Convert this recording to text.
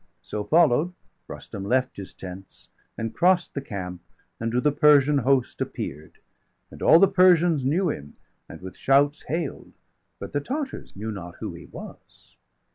So follow'd, Rustum left his tents, and cross'd 280 The camp, and to the Persian host appear'd. And all the Persians knew him, and with shouts Hail'd; but the Tartars knew not who he was.